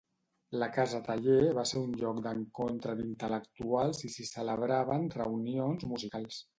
La casa-taller va ser un lloc d'encontre d'intel·lectuals i s'hi celebraven reunions musicals.